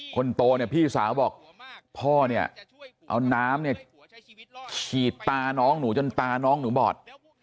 คนโตเนี่ยพี่สาวบอกพ่อเนี่ยเอาน้ำเนี่ยฉีดตาน้องหนูจนตาน้องหนูบอด